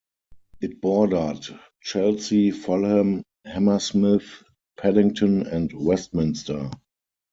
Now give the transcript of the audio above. It bordered Chelsea, Fulham, Hammersmith, Paddington, and Westminster.